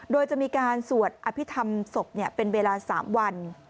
โดยจะมีการสวดอภิษฐรรมศพเป็นเวลา๓วัน